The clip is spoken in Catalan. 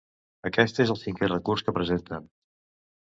Aquest és el cinquè recurs que presenten.